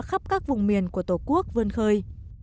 khắp các vùng miền của tổ quốc vươn khơi